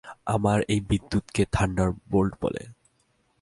আমার এই বিদ্যুৎকে থান্ডারবোল্ট বলে।